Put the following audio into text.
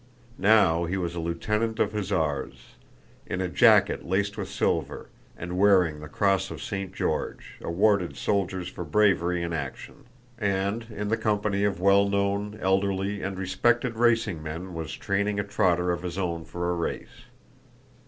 Now he was a lieutenant of hussars, in a jacket laced with silver, and wearing the Cross of St. George, awarded to soldiers for bravery in action, and in the company of well known, elderly, and respected racing men was training a trotter of his own for a race.